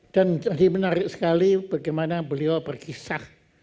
dan tadi menarik sekali bagaimana beliau berkisah